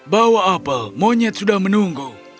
bawa apel monyet sudah menunggu